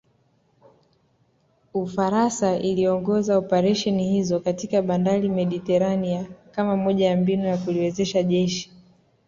Ufaransa iliongoza operesheni hizo katika bahari Mediterania kama moja ya mbinu ya kuliwezesha jeshi